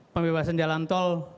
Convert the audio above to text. pembebasan jalan tol